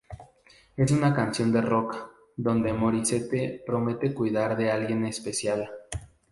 Es una canción de rock, donde Morissette promete cuidar de alguien especial.